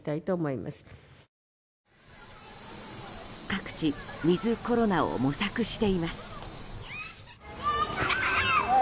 各地、ウィズコロナを模索しています。